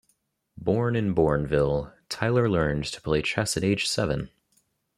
Born in Bournville, Tylor learned to play chess at age seven.